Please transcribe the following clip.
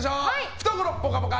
懐ぽかぽか！